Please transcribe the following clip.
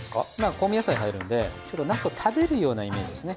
香味野菜入るんでナスを食べるようなイメージですね